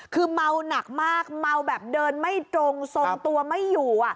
คือเมาหนักมากเมาแบบเดินไม่ตรงทรงตัวไม่อยู่